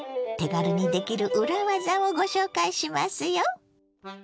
手軽にできる裏技をご紹介しますよ。